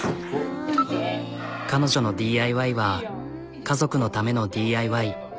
彼女のＤＩＹは家族のためのＤＩＹ。